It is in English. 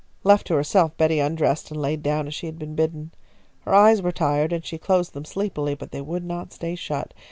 Left to herself, Betty undressed and lay down as she had been bidden. Her eyes were tired and she closed them sleepily, but they would not stay shut.